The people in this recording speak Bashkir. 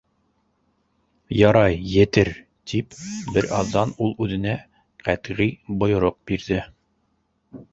— Ярай, етер! — тип, бер аҙҙан ул үҙенә ҡәтғи бойороҡ бирҙе.